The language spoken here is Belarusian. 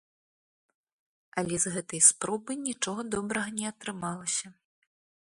Але з гэтай спробы нічога добрага не атрымалася.